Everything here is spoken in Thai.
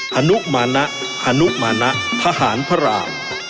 ฮนุกมาณะฮนุกมาณะทหารพระราม